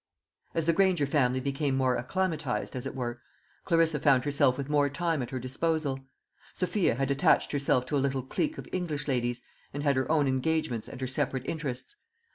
As the Granger family became more acclimatised, as it were, Clarissa found herself with more time at her disposal. Sophia had attached herself to a little clique of English ladies, and had her own engagements and her separate interests.